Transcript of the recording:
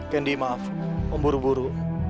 kandi maaf om buru buru